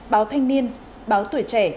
báo thanh niên báo tuổi trẻ